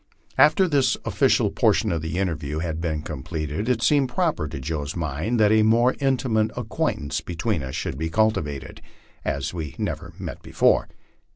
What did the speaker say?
After this official portion of the interview had been completed, it seemed proper to Joe's mind that a more intimate ac quaintance between us should be cultivated, as we had never met before.